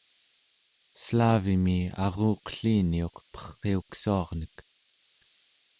selavimi aruqelliniuq perriuksuarnek